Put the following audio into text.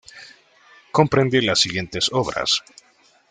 Comprende las siguientes obras.